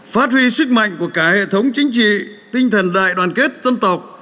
phát huy sức mạnh của cả hệ thống chính trị tinh thần đại đoàn kết dân tộc